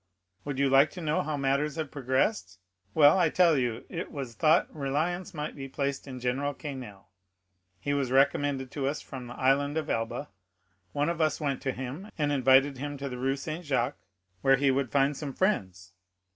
Would you like to know how matters have progressed? Well, I will tell you. It was thought reliance might be placed in General Quesnel; he was recommended to us from the Island of Elba; one of us went to him, and invited him to the Rue Saint Jacques, where he would find some friends.